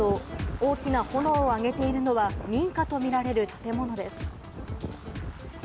大きな炎を上げているのは民家と見られる建物です。